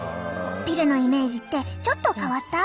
ピルのイメージってちょっと変わった？